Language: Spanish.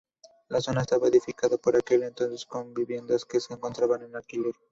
La zona estaba edificada por aquel entonces con viviendas que se encontraban en alquiler.